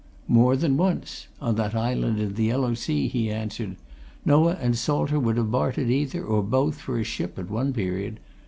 "More than once on that island in the Yellow Sea," he answered. "Noah and Salter would have bartered either, or both, for a ship at one period.